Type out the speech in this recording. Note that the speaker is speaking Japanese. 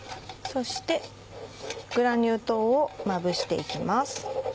そしてグラニュー糖をまぶして行きます。